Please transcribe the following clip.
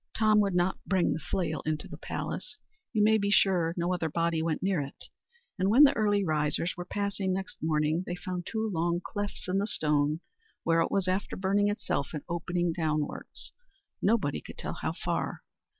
Tom would not bring the flail into the palace. You may be sure no other body went near it; and when the early risers were passing next morning, they found two long clefts in the stone, where it was after burning itself an opening downwards, nobody could tell how far.